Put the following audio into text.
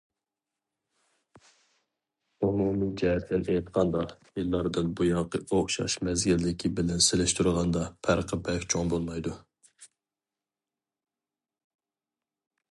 ئومۇمىي جەھەتتىن ئېيتقاندا، يىللاردىن بۇيانقى ئوخشاش مەزگىلدىكى بىلەن سېلىشتۇرغاندا پەرقى بەك چوڭ بولمايدۇ.